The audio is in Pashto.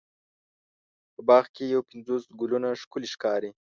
په باغ کې یو پنځوس ګلونه ښکلې ښکاري.